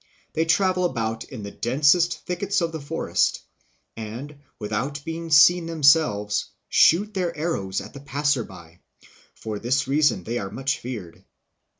They travel about in the densest thickets of the forests, and, without being seen themselves, shoot their arrows at the passers by; for this reason they are much feared.